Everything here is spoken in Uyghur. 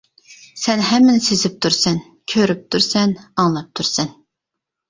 سەن ھەممىنى سېزىپ تۇرىسەن، كۆرۈپ تۇرىسەن، ئاڭلاپ تۇرىسەن!